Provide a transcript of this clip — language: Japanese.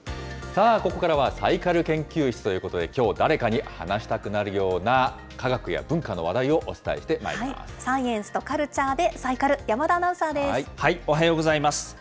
さあ、ここからはサイカル研究室ということで、きょう、誰かに話したくなるような科学や文化の話題をお伝えしてまいりまサイエンスとカルチャーでサおはようございます。